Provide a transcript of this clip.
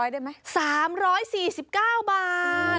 ได้ไหม๓๔๙บาท